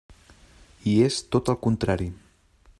I és tot el contrari!